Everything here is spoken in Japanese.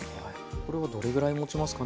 これはどれぐらいもちますかね？